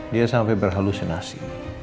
dia sampai berhalusinasi